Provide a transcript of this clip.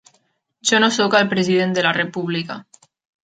Jo no soc el president de la República.